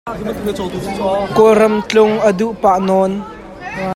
Kawlram tlung a duh pah nawn.